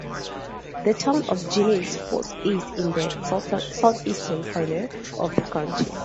The Town of Genesee Falls is in the southeastern corner of the county.